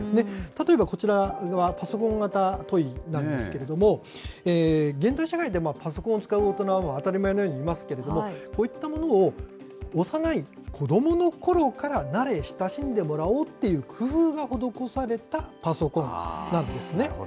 例えばこちらは、パソコン型トイなんですけれども、現代社会でパソコンを使う大人は当たり前のようにいますけれども、こういったものを幼い子どものころから慣れ親しんでもらおうっていう工夫が施されたパソコンなんですね。